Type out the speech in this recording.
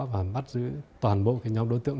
và bắt giữ toàn bộ nhóm đối tượng